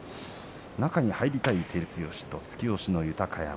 中に入りたい照強と突き押しの豊山